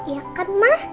iya kan mah